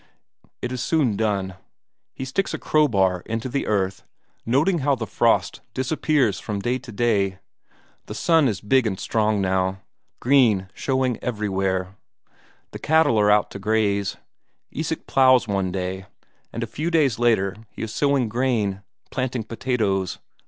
It is soon done. He sticks a crowbar into the earth, noting how the frost disappears from day to day. The sun is big and strong now, the snow is gone, green showing everywhere; the cattle are out to graze. Isak ploughs one day, and a few days later he is sowing corn, planting potatoes.